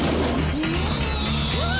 うわ！